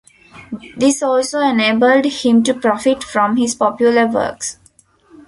This also enabled him to profit from his popular works.